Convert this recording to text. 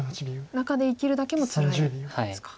中で生きるだけもつらいですか。